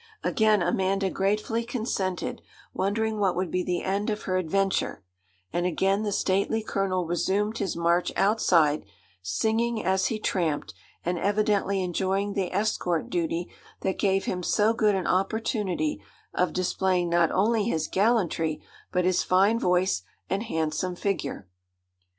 Again Amanda gratefully consented, wondering what would be the end of her adventure; and again the stately Colonel resumed his march outside, singing as he tramped, and evidently enjoying the escort duty that gave him so good an opportunity of displaying not only his gallantry, but his fine voice and handsome figure.